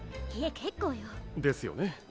いえ結構よですよね